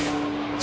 hai tuan mark